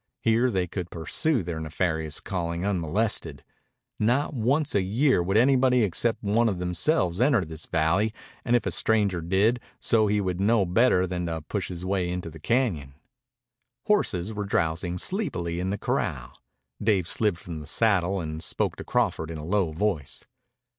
Here they could pursue their nefarious calling unmolested. Not once a year would anybody except one of themselves enter this valley, and if a stranger did so he would know better than to push his way into the cañon. Horses were drowsing sleepily in the corral. Dave slid from the saddle and spoke to Crawford in a low voice.